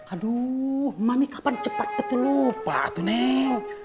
aduh mami kapan cepat betul lupa atuneng